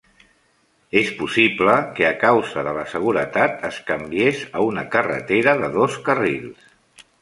És possible que a causa de la seguretat es canviés a una carretera de dos carrils.